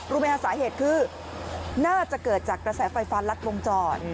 รู้ไหมฮะสาเหตุคือน่าจะเกิดจากกระแสไฟฟ้ารัดวงจร